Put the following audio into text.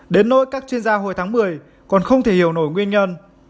đến nơi các chuyên gia hồi tháng một mươi còn không thể hiểu nổi nguyên nhân